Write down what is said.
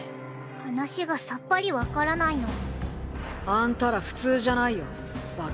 話がさっぱり分からないの。あんたら普通じゃないよ。